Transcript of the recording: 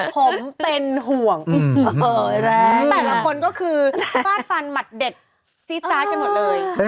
ผมเป็นห่วงแต่ละคนก็คือฟาดฟันหมัดเด็ดซีสตาร์ทกันหมดเลย